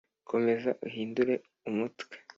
komeza uhindure umutwe